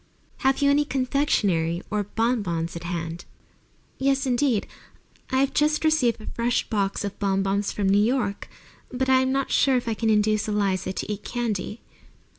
Have you any confectionery or bon bons at hand?" "Yes, indeed. I have just received a fresh box of bon bons from New York. But I'm not sure I can induce Eliza to eat candy."